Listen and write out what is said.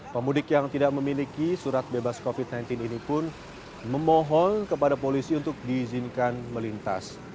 pemudik yang tidak memiliki surat bebas covid sembilan belas ini pun memohon kepada polisi untuk diizinkan melintas